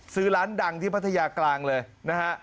ซื้อร้านดังที่พัทยากลางเลยนะฮะ